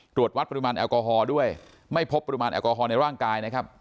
ตรวจวัดปริมาณแอลกอฮอล์ด้วยไม่พบปริมาณแอลกอฮอลในร่างกายนะครับ